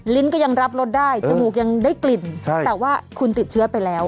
ลิ้นก็ยังรับรถได้เออจมูกยังได้กลิ่นใช่แต่ว่าคุณติดเชื้อไปแล้วเออ